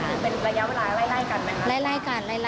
คือเป็นระยะเวลาไล่กันไหมไล่กัน